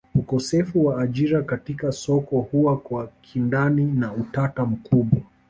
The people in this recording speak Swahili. Ukosefu wa ajira katika soko huwa kwa kindani na utata mkubwa